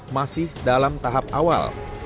masih dalam tahap awal